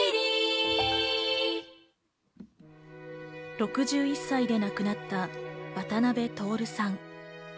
６１歳で亡くなった、渡辺徹さん。